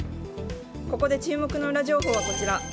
ここで注目のウラ情報はこちら。